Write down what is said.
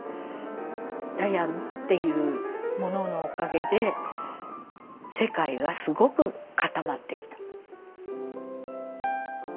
ダヤンっていうもののおかげで世界がすごく固まってきた。